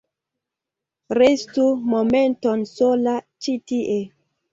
Restu momenton sola ĉi tie.